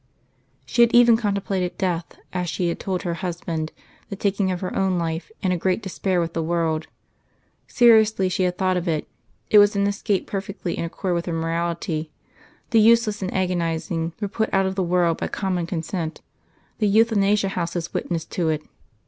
She had even contemplated death, as she had told her husband the taking of her own life, in a great despair with the world. Seriously she had thought of it; it was an escape perfectly in accord with her morality. The useless and agonising were put out of the world by common consent; the Euthanasia houses witnessed to it.